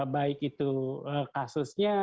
baik itu kasusnya